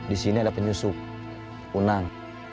di sini ada penyusup unang